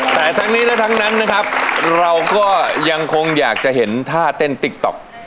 แต่ทั้งนี้และทั้งนั้นนะครับเราก็ยังคงอยากจะเห็นท่าเต้นติ๊กต๊อก